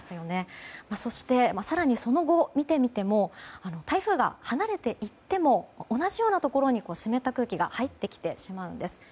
そして、更にその後を見てみても台風が離れて行っても同じようなところに湿った空気が入ってきてしまうんです。